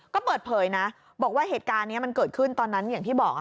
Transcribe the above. ก็เปิดเผยนะบอกว่าเหตุการณ์นี้มันเกิดขึ้นตอนนั้นอย่างที่บอก